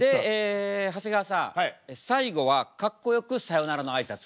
長谷川さん最後はかっこよく「さようなら」のあいさつ。